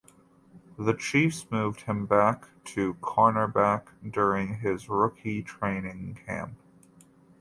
The Chiefs moved him back to cornerback during his rookie training camp.